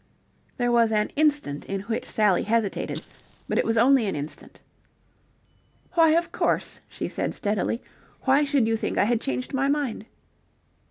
There was an instant in which Sally hesitated, but it was only an instant. "Why, of course," she said, steadily. "Why should you think I had changed my mind?"